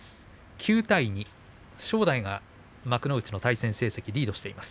９対２正代が幕内の対戦成績リードしています。